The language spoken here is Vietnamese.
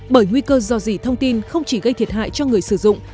bởi nguy cơ dò dỉ thông tin không chỉ gây thiệt hại cho người sử dụng